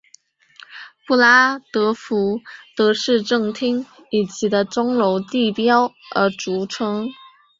布拉德福德市政厅以其的钟楼地标而着称。